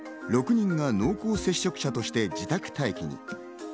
６人が濃厚接触者として自宅待機に。